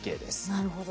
なるほど。